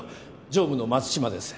常務の松島です。